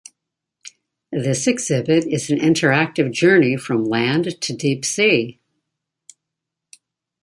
This exhibit is an interactive journey from land to deep sea.